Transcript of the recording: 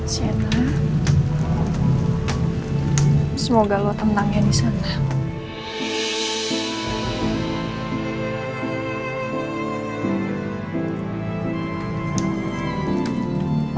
semoga kamu tenangnya disana